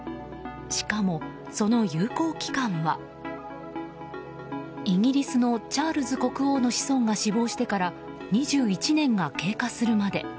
しかも、その有効期間はイギリスのチャールズ国王の子孫が死亡してから２１年が経過するまで。